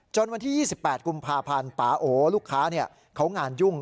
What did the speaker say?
วันที่๒๘กุมภาพันธ์ปาโอลูกค้าเขางานยุ่ง